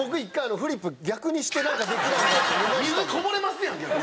水こぼれますやん！